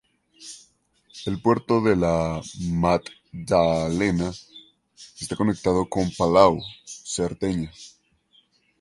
El puerto de la Maddalena está conectado con Palau, Cerdeña.